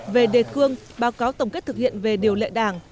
về đề cương báo cáo tổng kết thực hiện về điều lệ đảng